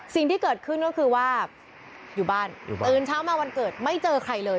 สิ่งที่เกิดขึ้นก็คือว่าอยู่บ้านตื่นเช้ามาวันเกิดไม่เจอใครเลย